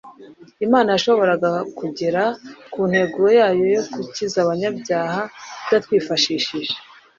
Imana yashoboraga kugera ku ntego yayo yo gukiza abanyabyaha itatwifashishije;